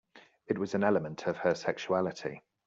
It was an element of her sexuality.